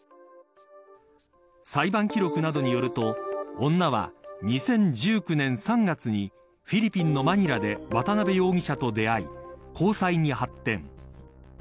裁判記録などによると、女は２０１９年３月にフィリピンのマニラで渡辺容疑者と出会い交際に発展。